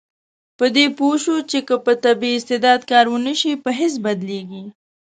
په دې پوه شو چې که په طبیعي استعداد کار ونشي، په هېڅ بدلیږي.